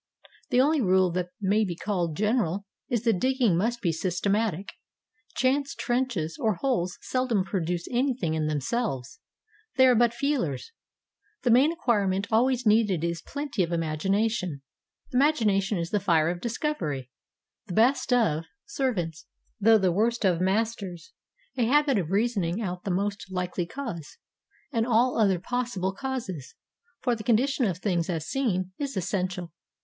The only rule that may be called general is that digging must be systematic; chance trenches or holes seldom produce anything in themselves, — they are but feelers. The main acquirement always needed is plenty of imagi nation. Imagination is the fire of discovery; the best of servants, though the worst of masters. A habit of rea soning out the most likely cause, and all other possible causes, for the condition of things as seen, is essential.